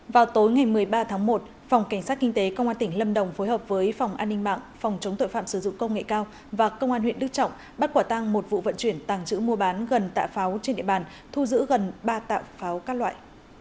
vào tối ngày một mươi ba tháng một phòng cảnh sát kinh tế công an tỉnh lâm đồng phối hợp với phòng an ninh mạng phòng chống tội phạm sử dụng công nghệ cao và công an huyện đức trọng bắt quả tăng một vụ vận chuyển tàng trữ mua bán gần tạ pháo trên địa bàn thu giữ gần ba tạ pháo các loại